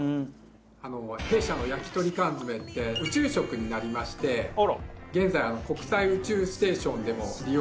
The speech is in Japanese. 弊社のやきとり缶詰って宇宙食になりまして現在国際宇宙ステーションでも利用されてるんですね。